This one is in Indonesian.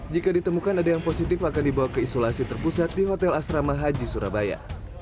jika ditemukan ada yang positif akan dibawa ke isolasi terpusat di hotel asrama haji surabaya